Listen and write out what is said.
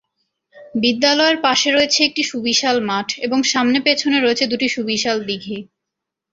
বিদ্যালয়ের পাশে রয়েছে একটি সুবিশাল মাঠ এবং সামনে পেছনে রয়েছে দুটি সুবিশাল দিঘী।